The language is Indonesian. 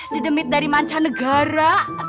didemit dari mancanegara